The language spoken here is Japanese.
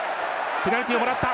ペナルティをもらった。